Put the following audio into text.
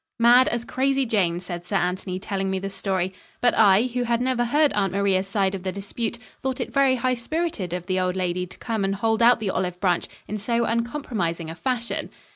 "Mad as Crazy Jane," said Sir Anthony, telling me the story. But I, who had never heard Aunt Maria's side of the dispute, thought it very high spirited of the old lady to come and hold out the olive branch in so uncompromising a fashion.